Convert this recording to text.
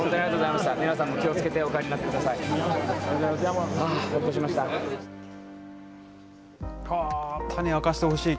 皆さんも気をつけてお帰りになってください。